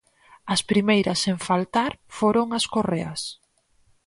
As primeiras en faltar foron as correas.